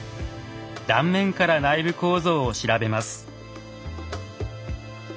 断面から内部構造を調べます。